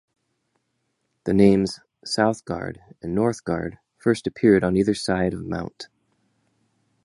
The names South Guard and North Guard first appeared on either side of Mt.